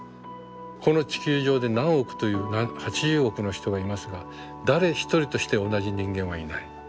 この地球上で何億という８０億の人がいますが誰一人として同じ人間はいない。